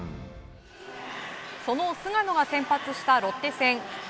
その菅野が先発したロッテ戦。